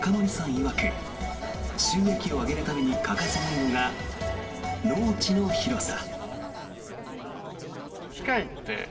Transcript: いわく収益を上げるために欠かせないのが農地の広さ。